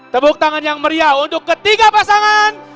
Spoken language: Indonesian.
tepuk tangan yang meriah untuk ketiga pasangan